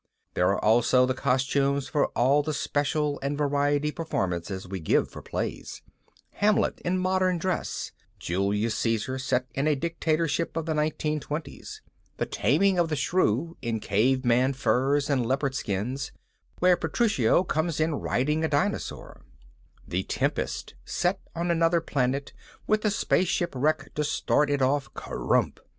There are also the costumes for all the special and variety performances we give of the plays: Hamlet in modern dress, Julius Caesar set in a dictatorship of the 1920's, The Taming of the Shrew in caveman furs and leopard skins, where Petruchio comes in riding a dinosaur, The Tempest set on another planet with a spaceship wreck to start it off _Karrumph!